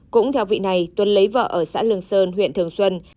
cũng theo vị này tuấn lấy vợ ở xã lường sơn huyện thường xuân